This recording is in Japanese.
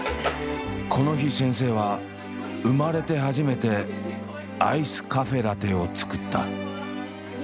この日先生は生まれて初めてアイスカフェラテを作った。